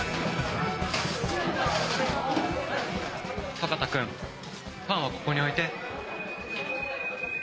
坂田くんパンはここに置いて。